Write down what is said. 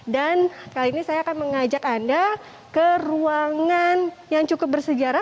dan kali ini saya akan mengajak anda ke ruangan yang cukup bersejarah